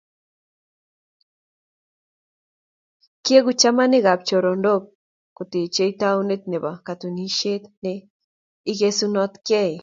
Keeku chamanik ak chorondok koteechei tauneet nebo katunisieet ne igesunotkei